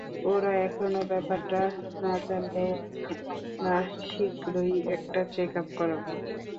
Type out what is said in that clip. ওরা এখনও ব্যাপারটা না জানলেও আমি আপনার শীঘ্রই একটা চেকআপ করাবো।